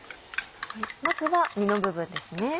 まずは身の部分ですね。